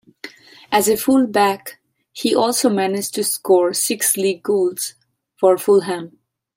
As a full back he also managed to score six League goals for Fulham.